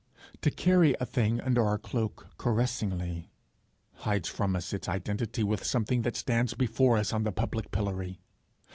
To carry a thing under our cloak caressingly, hides from us its identity with something that stands before us on the public pillory.